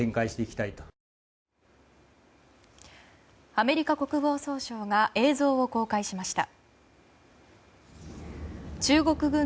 アメリカ国防総省が映像を公開しました。